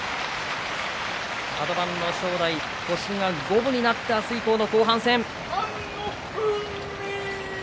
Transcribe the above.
カド番の正代星が五分になって明日からの後半戦です。